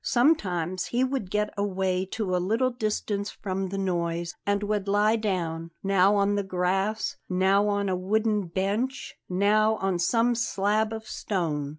Sometimes he would get away to a little distance from the noise, and would lie down, now on the grass, now on a wooden bench, now on some slab of stone.